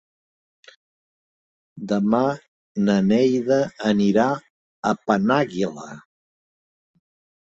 Demà na Neida anirà a Penàguila.